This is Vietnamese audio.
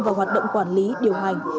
và hoạt động quản lý điều hành